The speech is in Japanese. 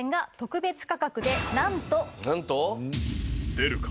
出るか？